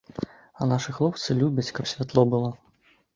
А нашы хлопцы любяць, каб святло было.